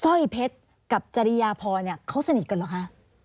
สร้อยเพชรกับจริยาพรเนี่ยเขาสนิทกันเหรอคะ